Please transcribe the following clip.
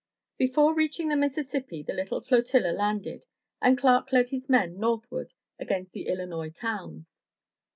Before reaching the Mississippi the little flotilla landed, and Clark led his men northward against the Illinois towns.